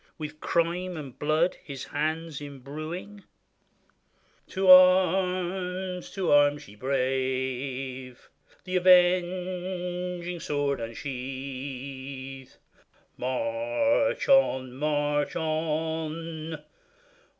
With crime and blood his hands imbruing. To arms ! to arms ! ye brave ! The avenging sword unsheathe; March on ! march on